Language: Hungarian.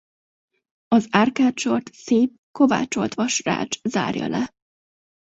Az árkádsort szép kovácsoltvas rács zárja le.